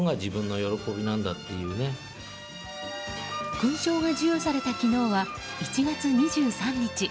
勲章が授与された昨日は１月２３日。